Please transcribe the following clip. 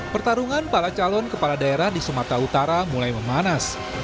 pertarungan para calon kepala daerah di sumatera utara mulai memanas